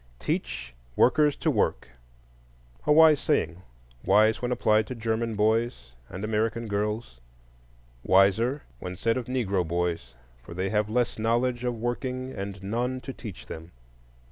Teach workers to work,—a wise saying; wise when applied to German boys and American girls; wiser when said of Negro boys, for they have less knowledge of working and none to teach them.